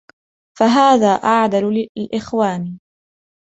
فَهَذَا أَعْدَلُ الْإِخْوَانِ